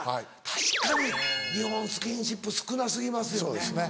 確かに日本スキンシップ少な過ぎますよね。